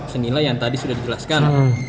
senilai yang tadi sudah dijelaskan